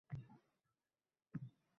To’lishgan oy, to’lin oy, o’g’lim